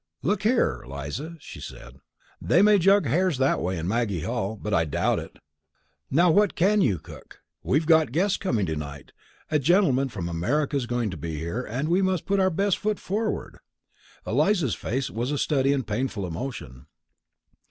"Look here, Eliza," she said. "They may jug hares that way at Maggie Hall, but I doubt it. Now, what can you cook? We've got guests coming to night. A gentleman from America is going to be here and we must put our best foot forward." Eliza's face was a study in painful emotion.